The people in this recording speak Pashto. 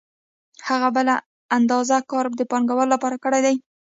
هغه بله اندازه کار د پانګوال لپاره کړی دی